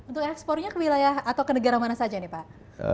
untuk ekspornya ke wilayah atau ke negara mana saja nih pak